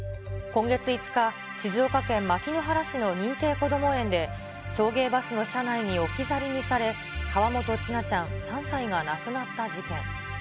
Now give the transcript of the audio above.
今月５日、静岡県牧之原市の認定こども園で、送迎バスの車内に置き去りにされ、河本千奈ちゃん３歳が亡くなった事件。